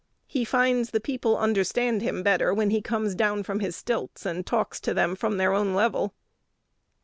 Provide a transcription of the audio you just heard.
He finds the people understand him better when he comes down from his stilts, and talks to them from their own level.